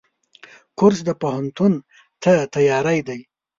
کورس د پوهنتون ته تیاری دی.